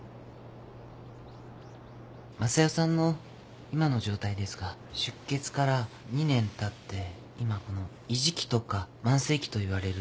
昌代さんの今の状態ですが出血から２年たって今この「維持期」とか「慢性期」といわれる時期に入っています。